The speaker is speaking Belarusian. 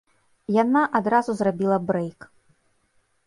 Яна адразу зрабіла брэйк.